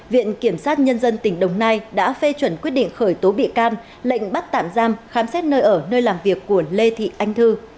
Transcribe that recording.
viện kiểm sát nhân dân tỉnh đồng nai đã phê chuẩn quyết định khởi tố bị can lệnh bắt tạm giam khám xét nơi ở nơi làm việc của lê thị anh thư